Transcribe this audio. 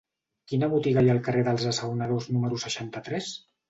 Quina botiga hi ha al carrer dels Assaonadors número seixanta-tres?